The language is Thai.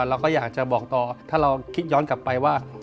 เราก็อยากจะบอกต่อถ้าเราคิดย้อนกลับไปว่า